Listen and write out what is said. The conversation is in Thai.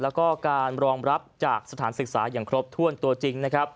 และการรองรับจากสถานศึกษาอย่างครบถ้วนตัวจริง